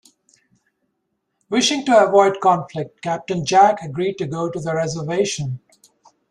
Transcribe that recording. Wishing to avoid conflict, Captain Jack agreed to go to the reservation.